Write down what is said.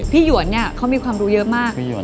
หยวนเนี่ยเขามีความรู้เยอะมาก